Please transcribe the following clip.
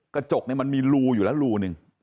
กระจกเนี่ยมันมีรูอยู่แล้วรูหนึ่ง